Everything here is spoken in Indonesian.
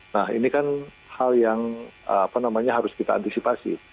nah ini kan hal yang harus kita antisipasi